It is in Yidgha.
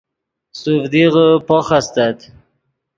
سوڤدیغے پوخ استت